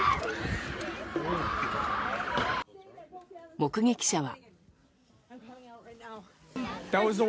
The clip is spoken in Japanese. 目撃者は。